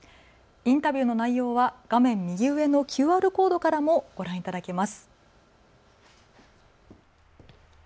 インタビューの内容は画面右上のＱＲコードからもご覧いただけます。